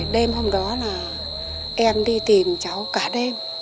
đêm hôm đó là em đi tìm cháu cả đêm